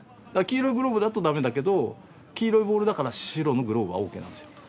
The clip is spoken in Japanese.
黄色いグローブだとダメだけど黄色いボールだから白のグローブはオーケーなんですよ。